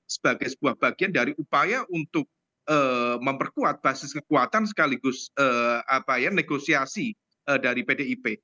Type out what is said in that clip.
sebagai sebuah bagian dari upaya untuk memperkuat basis kekuatan sekaligus negosiasi dari pdip